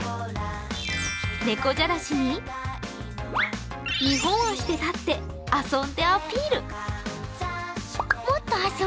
猫じゃらしに、２本足で立って、遊んでアピール。